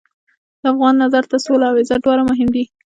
د افغان نظر ته سوله او عزت دواړه مهم دي.